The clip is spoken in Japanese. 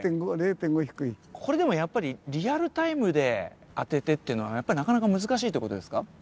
これでもやっぱりリアルタイムで当ててっていうのはなかなか難しいって事ですか？